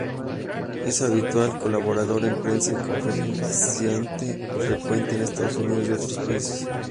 Es habitual colaborador en prensa y conferenciante frecuente en Estados Unidos y otros países.